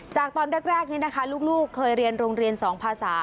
จากตอนแรกนี้นะคะลูกเคยเรียนโรงเรียน๒ภาษา